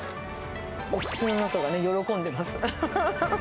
お口の中が喜んでます。